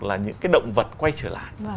là những cái động vật quay trở lại